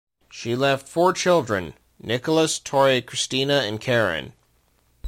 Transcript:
She left four children: Nicholas, Torre, Cristina, and Karen.